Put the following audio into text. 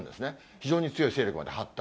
非常に強い勢力まで発達。